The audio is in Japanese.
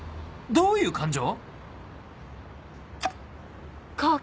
どういう感情？